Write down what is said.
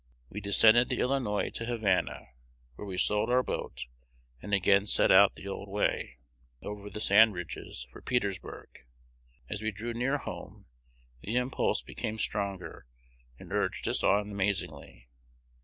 We descended the Illinois to Havana, where we sold our boat, and again set out the old way, over the sand ridges for Petersburg. As we drew near home, the impulse became stronger, and urged us on amazingly.